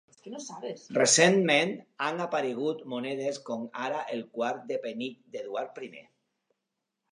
Recentment, han aparegut monedes com ara el quart de penic d'Eduard I.